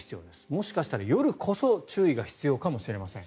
もしかしたら夜こそ注意が必要かもしれません。